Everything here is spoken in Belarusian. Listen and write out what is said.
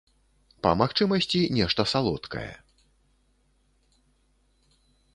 Па магчымасці нешта салодкае.